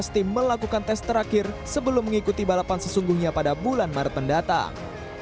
tim melakukan tes terakhir sebelum mengikuti balapan sesungguhnya pada bulan maret mendatang